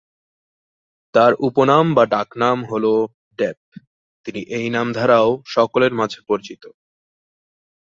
তার উপনাম বা ডাকনাম হলো "ডেপ", তিনি এই নাম দ্বারাও সকলের মাঝে পরিচিত।